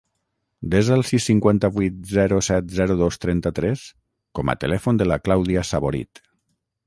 Desa el sis, cinquanta-vuit, zero, set, zero, dos, trenta-tres com a telèfon de la Clàudia Saborit.